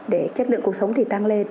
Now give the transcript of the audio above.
để chất lượng cuộc sống thì tăng lên